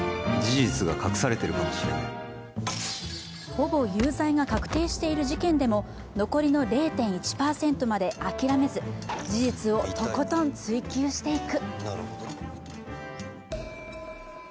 ほぼ有罪が確定している事件でも残りの０．１％まで諦めず事実をとことん追及していく。